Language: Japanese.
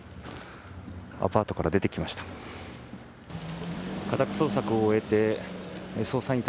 アパートから出てきました。